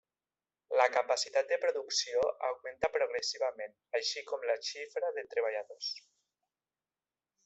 La capacitat de producció augmenta progressivament, així com la xifra de treballadors.